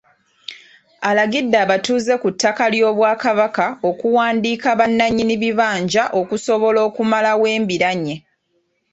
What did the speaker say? Alagidde abatuuze ku ttaka ly'Obwakabaka okuwandiika bannanyini bibanja okusobola okumalawo embiranye.